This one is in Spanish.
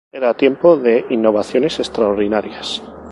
Era tiempo de innovaciones extraordinarias.